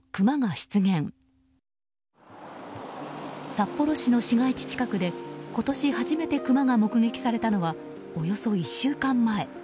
札幌市の市街地近くで今年初めてクマが目撃されたのはおよそ１週間前。